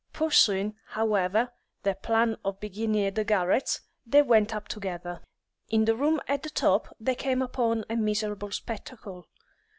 Pursuing, however, their plan of beginning at the garrets, they went up together. In the room at the top they came upon a miserable spectacle.